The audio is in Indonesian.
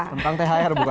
tentang thr bukan